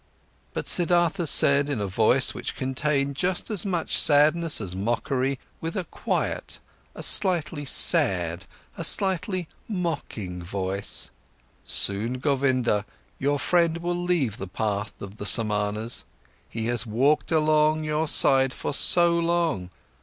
But Siddhartha said in a voice which contained just as much sadness as mockery, with a quiet, a slightly sad, a slightly mocking voice: "Soon, Govinda, your friend will leave the path of the Samanas, he has walked along your side for so long.